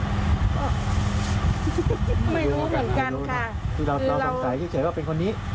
ไม่รู้เหมือนกันค่ะคือเราสงสัยเฉยว่าเป็นคนนี้